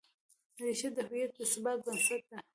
ریښه د هویت د ثبات بنسټ ده.